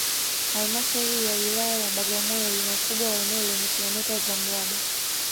Halmashauri ya Wilaya ya Bagamoyo ina ukubwa wa eneo lenye kilometa za mraba